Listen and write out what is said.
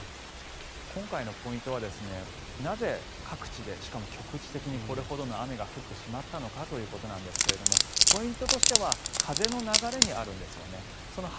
今回のポイントはなぜ、各地でしかも局地的にこれほどの雨が降ってしまったのかということなんですがポイントとしては風の流れにあるんですよね。